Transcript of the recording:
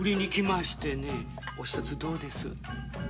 おひとつどうです。